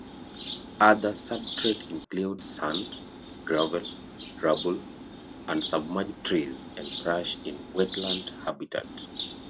Other substrate includes sand, gravel, rubble and submerged trees and brush in wetland habitat.